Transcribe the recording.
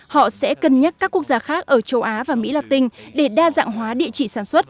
họ sẽ cân nhắc các quốc gia khác ở châu á và mỹ la tinh để đa dạng hóa địa chỉ sản xuất